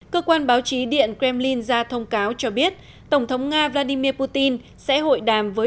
cơ quan báo chí điện kremlin ra thông cáo cho biết tổng thống nga vladimir putin sẽ hội đàm với